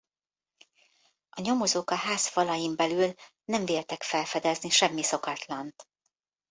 A nyomozók a ház falain belül nem véltek felfedezni semmi szokatlant.